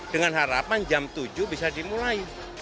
dengan harapan jam tujuh bisa dimulai